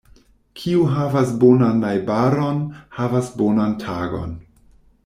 Kiu havas bonan najbaron, havas bonan tagon.